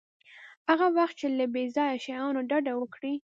هغه وخت چې له بې ځایه شیانو ډډه وکړئ.